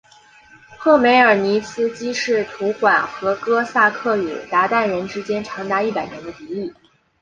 赫梅尔尼茨基试图缓和哥萨克与鞑靼人之间长达一百年的敌意。